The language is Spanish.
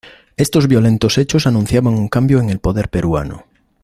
Estos violentos hechos anunciaban un cambio en el poder peruano.